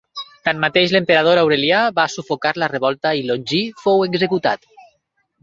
Tanmateix, l'emperador Aurelià va sufocar la revolta i Longí fou executat.